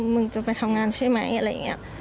มึงจะไปทำงานใช่ไหมอะไรอย่างนี้